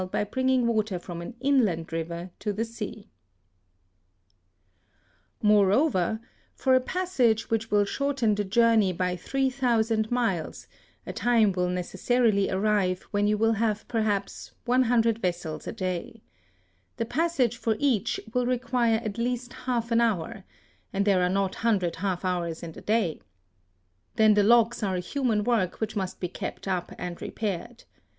17 Moreover, for a passage which will shorten the journey by three thousand miles, a time will necessarily arrive when you will have perhaps one hundred vessels a day. The passage for each will require at least half an hour, and there are not a hundred half hours in the day. Then the locks are a human work which must be kept up and repaired.